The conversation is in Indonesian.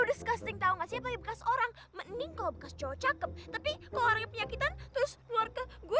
disgusting tahu enggak sih orang mending kalau cacat tapi kalau penyakit terus keluar ke gue